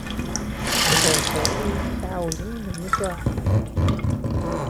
Ɣseɣ ad iyi-d-tɛawdem melmi tuɛam.